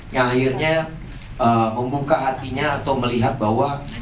yang akhirnya membuka hatinya atau melihat bahwa